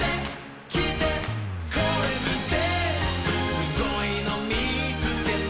「すごいのみつけた」